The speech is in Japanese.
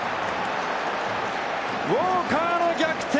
ウォーカーの逆転